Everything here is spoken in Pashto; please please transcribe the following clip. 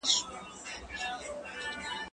هغه وويل چي ليک مهم دی؟!